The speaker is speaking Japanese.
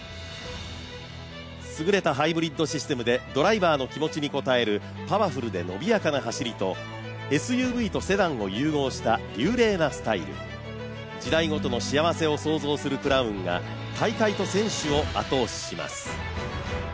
すぐれたハイブリッドシステムでドライバーの気持ちに応えるパワフルで伸びやかな走りとＳＵＶとセダンを融合した流麗なスタイル、時代ごとの幸せを想像するクラウンが大会と選手を後押しします。